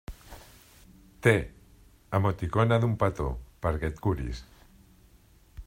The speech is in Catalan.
Té —emoticona d'un petó—, perquè et curis.